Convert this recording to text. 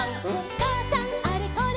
「かあさんあれこれ